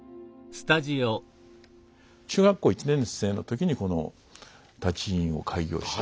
中学校１年生の時にこの舘医院を開業して。